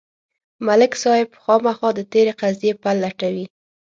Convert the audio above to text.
ملک صاحب خامخا د تېرې قضیې پل لټوي.